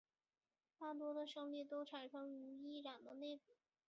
大多的升力都产生于翼展的内部。